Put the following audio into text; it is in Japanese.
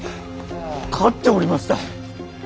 勝っておりました！